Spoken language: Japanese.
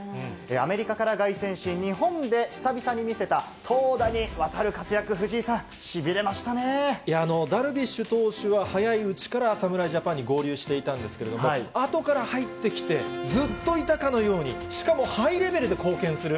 アメリカから凱旋し、日本で久々に見せた投打にわたる活躍、いや、ダルビッシュ投手は早いうちから侍ジャパンに合流していたんですけど、あとから入ってきて、ずっといたかのように、しかもハイレベルで貢献する。